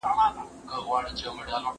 یوه ورځ پر یوه لوی مار وو ختلی